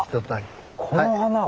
あこの花は？